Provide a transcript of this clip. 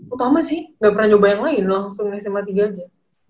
utama sih gak pernah nyoba yang lain langsung sma tiga aja